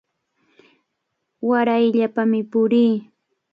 Warayllapami purin.